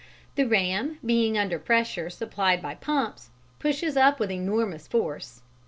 The ram, being under pressure supplied by pumps, pushes up with enormous force.